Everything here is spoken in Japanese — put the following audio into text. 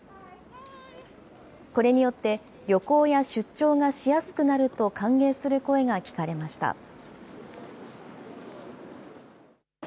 これによって、旅行や出張がしやすくなると歓迎する声が聞かれました。